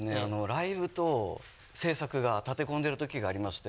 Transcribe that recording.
ライブと制作が立て込んでる時がありまして。